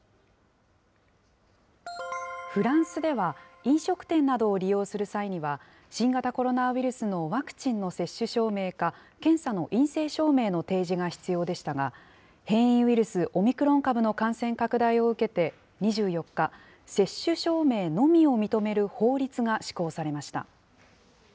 フランスでは、飲食店などを利用する際には新型コロナウイルスのワクチンの接種証明か、検査の陰性証明の提示が必要でしたが、変異ウイルス、オミクロン株の感染拡大を受けて２４日、接種証明のみを認める法律が施行されました。